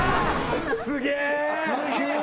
すげえ！